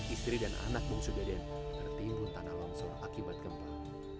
istri dan anak bungsu deden tertimbun tanah longsor akibat gempa